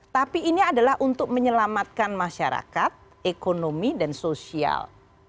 tapi ini adalah untuk menyelamatkan masyarakat ekonomi dan sosial